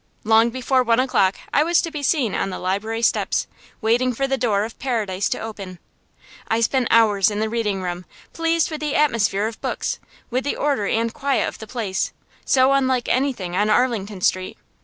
Long before one o'clock I was to be seen on the library steps, waiting for the door of paradise to open. I spent hours in the reading room, pleased with the atmosphere of books, with the order and quiet of the place, so unlike anything on Arlington Street.